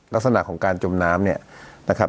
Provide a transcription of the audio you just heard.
ลักษณะของการจมน้ำเนี่ยนะครับ